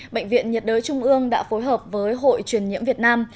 bệnh viện nhiệt đới trung ương đã phối hợp với hội truyền nhiễm việt nam